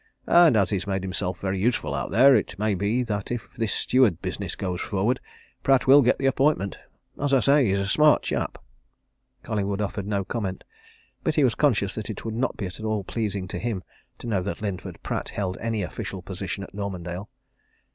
And as he's made himself very useful out there, it may be that if this steward business goes forward, Pratt will get the appointment. As I say, he's a smart chap." Collingwood offered no comment. But he was conscious that it would not be at all pleasing to him to know that Linford Pratt held any official position at Normandale.